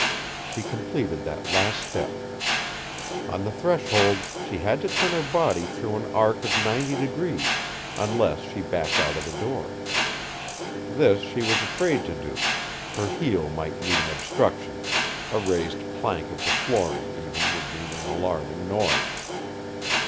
She completed that last step. On the threshold, she had to turn her body through an arc of ninety degrees, unless she backed out of the door. This she was afraid to do; her heel might meet an obstruction; a raised plank of the flooring, even, would mean an alarming noise.